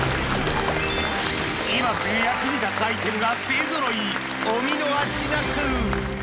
今すぐ役に立つアイテムが勢揃いお見逃しなく！